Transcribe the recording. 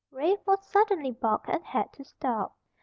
Rafe was suddenly balked and had to stop.